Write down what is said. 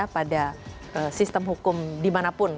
pada sistem hukum dimanapun